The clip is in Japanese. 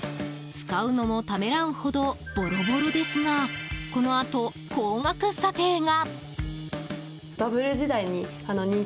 使うのもためらうほどボロボロですがこのあと、高額査定が！